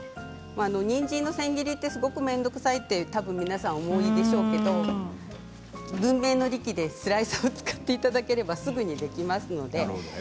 にんじんの千切りってすごく面倒くさいってたぶん皆さんお思いでしょうけれども文明の利器、スライサーを使っていただければいいと思います。